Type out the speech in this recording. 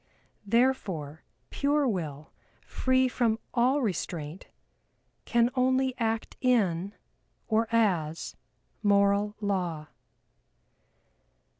Therefore, pare Will, free from all restraint can only act in, or as, Moral Law.